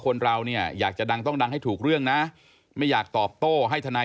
คนเราเนี่ยอยากจะดังต้องดังให้ถูกเรื่องนะไม่อยากตอบโต้ให้ทนาย